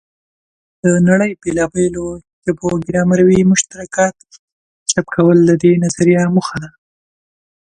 د نړۍ بېلابېلو ژبو ګرامري مشترکات کشف کول د دې نظریې موخه ده.